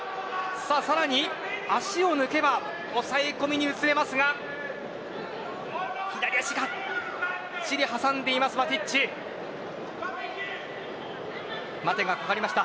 さらに足を抜けば抑え込みに移れますが左脚ががっちり挟んでいるマティッチです。